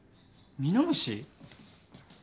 みのむし？